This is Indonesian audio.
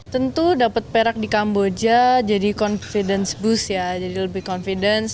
tentu dapat perak di kamboja jadi confidence boost ya jadi lebih confidence